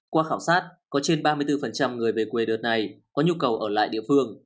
qua khảo sát có trên ba mươi bốn người về quê đợt này có nhu cầu ở lại địa phương